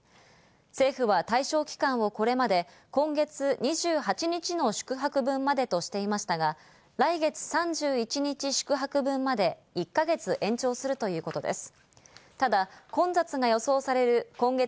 政府は対象期間をこれまで今月２８日の宿泊分までとしていましたが、来月３１日宿泊分まで１か月延長するということです。